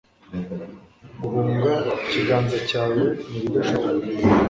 guhunga ikiganza cyawe ni ibidashoboka